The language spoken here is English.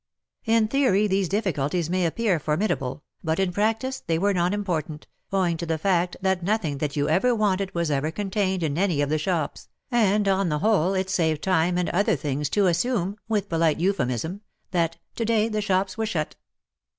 In theory these difficulties may appear formidable, but in practice they were non important, owing to the fact that nothing that you ever wanted was ever contained in any of the shops, and, on the whole, it saved time and other things, to assume — with polite euphemism — that ''to day the shops were shut."